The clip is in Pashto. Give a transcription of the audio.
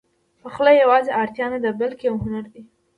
پخلی یواځې اړتیا نه ده، بلکې یو هنر دی.